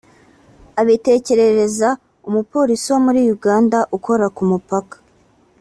abitekerereza umupolisi wo muri Uganda ukora ku mupaka